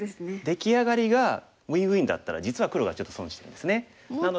出来上がりがウインウインだったら実は黒がちょっと損してるんですね。